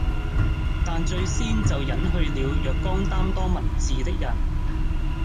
但最先就隱去了若干擔當文字的人，